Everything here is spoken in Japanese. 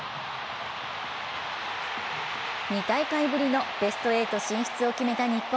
２大会ぶりのベスト８進出を決めた日本。